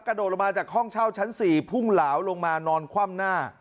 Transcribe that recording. กระโดดลงมาจากห้องเช่าชั้น๔พุ่งเหลาลงมานอนคว่ำหน้า